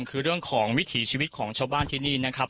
คือเรื่องของวิถีชีวิตของชาวบ้านที่นี่นะครับ